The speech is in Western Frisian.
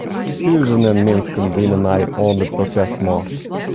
Tûzenen minsken diene mei oan de protestmars.